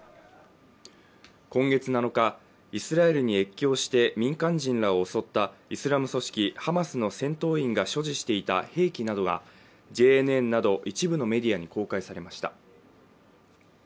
今月７日イスラエルに越境して民間人らを襲ったイスラム組織ハマスの戦闘員が所持していた兵器などがＪＮＮなど一部のメディアに公開されました